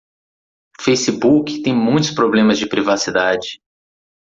O Facebook tem muitos problemas de privacidade.